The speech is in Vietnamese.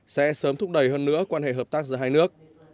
sẽ sớm thúc đẩy hơn nữa quan hệ hợp tác giữa hai nước